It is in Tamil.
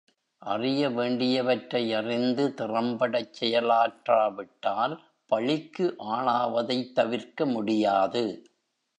அறிய வேண்டியவற்றை அறிந்து திறம்படச் செயலாற்றாவிட்டால் பழிக்கு ஆளாவதைத் தவிர்க்க முடியாது.